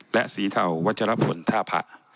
และสีเทาวัชรพลท่าผะ